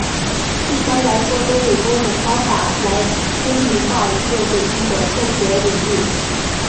一般来说都有多种方法来公理化一个给定的数学领域。